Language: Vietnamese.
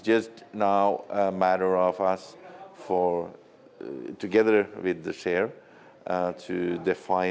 chúng tôi đang ở đây vì một kết thúc dài dài